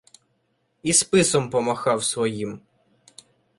І списом помахав своїм.